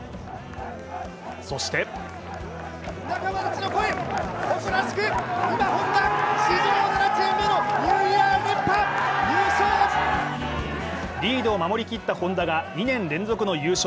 そしてリードを守りきったＨｏｎｄａが２年連続の優勝。